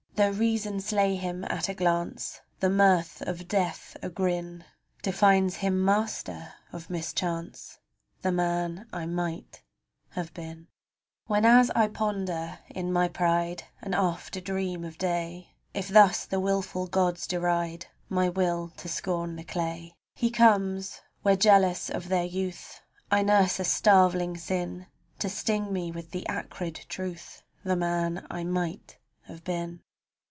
Tho' reason slay him at a glance, The mirth of Death agrin Defines him master of mischance — The man I might have been. 9i THE MAN I MIGHT HAVE BEEN Whenas I ponder in my pride (An after dream of day) If thus the wilful gods deride My will to scorn the day, He comes, where jealous of their youth I nurse a starveling sin, To sting me with the acrid truth — The man I might have been.